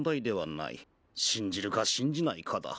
信じるか信じないかだ。